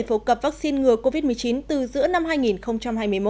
phổ cập vaccine ngừa covid một mươi chín từ giữa năm hai nghìn hai mươi một